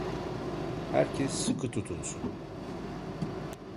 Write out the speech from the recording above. Herkes sıkı tutunsun!